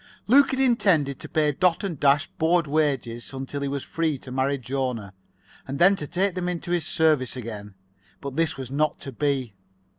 Luke had intended to pay Dot and Dash board wages until he was free to marry Jona, and then to take them into his service again. But this was not to be.